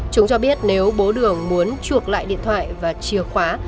chúng cho biết nếu bố đường muốn chuộc lại điện thoại và chìa khóa